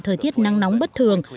thời tiết năng nóng bất thường